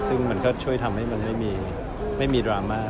ซึ่งมันก็ช่วยทำให้มันไม่มีดราม่า